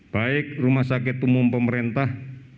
baik rumah sakit umum pemerintah